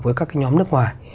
với các cái nhóm nước ngoài